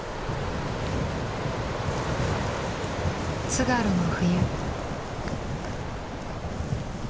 津軽の冬。